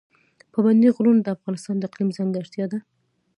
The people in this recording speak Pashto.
پابندی غرونه د افغانستان د اقلیم ځانګړتیا ده.